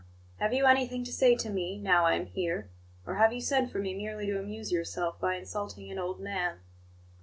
Have you anything to say to me, now I am here; or have you sent for me merely to amuse yourself by insulting an old man?"